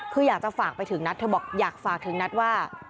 คืออยากจะฝากไปถึงนัทเธอบอกอยากฝากถึงนัทว่า